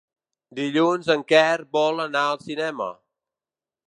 Dilluns en Quer vol anar al cinema.